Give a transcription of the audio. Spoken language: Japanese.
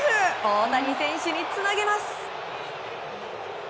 大谷選手につなげます。